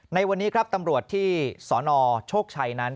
ในวันนี้ครับตำรวจที่สนโชคชัยนั้น